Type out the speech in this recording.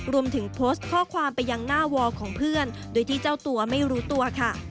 รวมถึงโพสต์ข้อความไปยังหน้าวอลของเพื่อนโดยที่เจ้าตัวไม่รู้ตัวค่ะ